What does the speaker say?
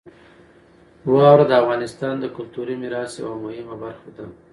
واوره د افغانستان د کلتوري میراث یوه مهمه برخه ده.